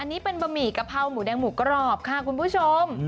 อันนี้เป็นบะหมี่กะเพราหมูแดงหมูกรอบค่ะคุณผู้ชม